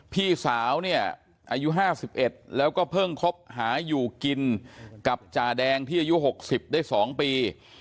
พี่สาวเนี่ยอายุ๕๑แล้วก็เพิ่งคบหาอยู่กินกับจาแดงที่อายุ๖๐ได้๒ปี